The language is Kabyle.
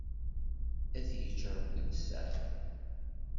Ad t-yegg rebbi d sseɛd.